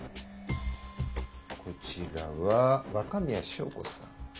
こちらは若宮翔子さん。